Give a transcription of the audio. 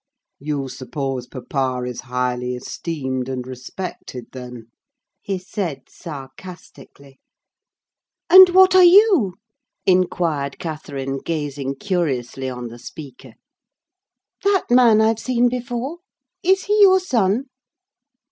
"You suppose papa is highly esteemed and respected, then?" he said, sarcastically. "And what are you?" inquired Catherine, gazing curiously on the speaker. "That man I've seen before. Is he your son?"